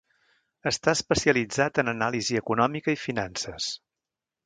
Està especialitzat en anàlisi econòmica i finances.